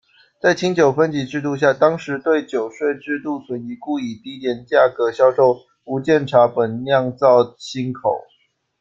在清酒分级制度下，当时对酒税制度存疑，故以低廉价格销售「无鉴察本酿造辛口」。